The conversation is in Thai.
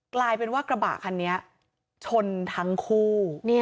กลายเป็นว่ากระบะคันนี้ชนทั้งคู่